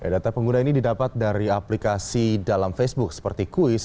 data pengguna ini didapat dari aplikasi dalam facebook seperti kuis